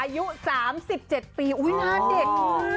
อายุ๓๗ปีอุ๊ยหน้าเด็ก